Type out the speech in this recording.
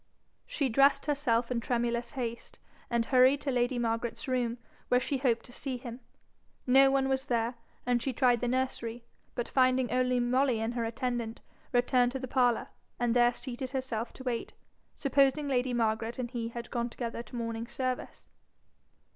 She dressed herself in tremulous haste, and hurried to lady Margaret's room, where she hoped to see him. No one was there, and she tried the nursery, but finding only Molly and her attendant, returned to the parlour, and there seated herself to wait, supposing lady Margaret and he had gone together to morning service.